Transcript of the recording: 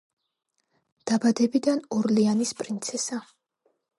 დაბადებიდან ორლეანის პრინცესა.